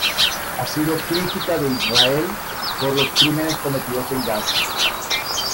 Ha sido crítica de Israel por los crímenes cometidos en Gaza.